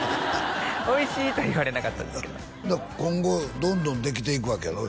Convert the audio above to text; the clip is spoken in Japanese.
「おいしい！」とは言われなかったですけど今後どんどんできていくわけやろ？